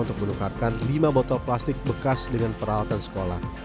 untuk menukarkan lima botol plastik bekas dengan peralatan sekolah